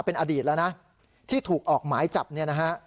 เป็นอดีตแล้วนะที่ถูกออกหมายจับเนี่ยนะฮะ